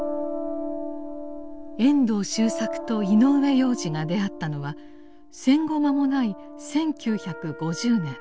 遠藤周作と井上洋治が出会ったのは戦後間もない１９５０年。